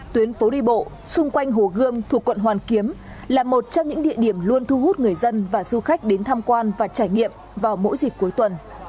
tuyến phố đi bộ xung quanh hồ gươm thuộc quận hoàn kiếm là một trong những địa điểm luôn thu hút người dân và du khách đến tham quan và trải nghiệm vào mỗi dịp cuối tuần